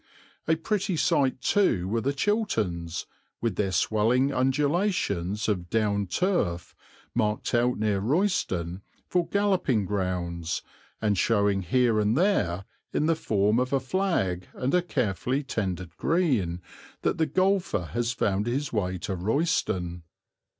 A pretty sight too were the Chilterns, with their swelling undulations of down turf, marked out near Royston for galloping grounds and showing here and there, in the form of a flag and a carefully tended green, that the golfer has found his way to Royston.